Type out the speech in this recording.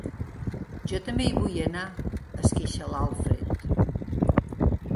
Jo també hi vull anar —es queixa l'Alfred.